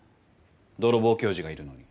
泥棒教授がいるのに。